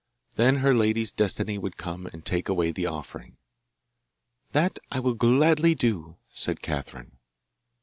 Then her lady's Destiny would come and take away the offering. 'That will I gladly do,' said Catherine.